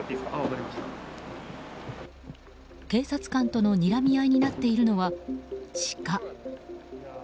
警察官とのにらみ合いになっているのはシカ。